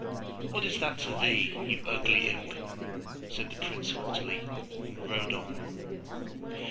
'What is that to thee, you ugly imp?' said the prince haughtily, and rode on.